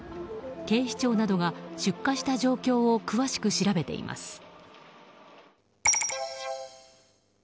警視庁などが出火した状況を詳しく調べています。